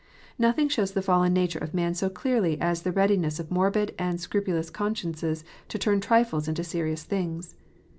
Nothing shows the fallen nature of man so clearly as the readiness of morbid and scrupulous consciences to turn trifles into serious things.